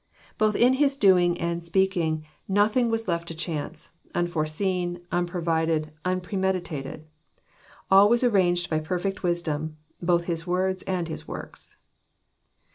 Both in His doing and speaking nothing was left to chance, unforeseen, unprovided, or unpremeditated. All was arranged by perfect wisdom, both His words and His works.